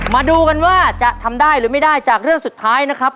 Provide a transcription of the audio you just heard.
มาดูกันว่าจะทำได้หรือไม่ได้จากเรื่องสุดท้ายนะครับ